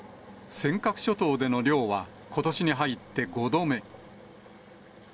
尖閣諸島での漁は、ことしに入って５度目。